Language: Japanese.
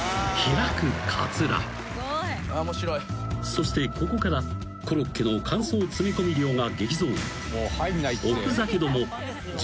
［そしてここからコロッケの間奏詰め込み量が激増］